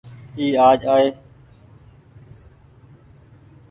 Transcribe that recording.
اي آج آئي۔